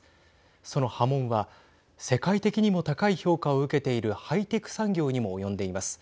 その波紋は世界的にも高い評価を受けているハイテク産業にも及んでいます。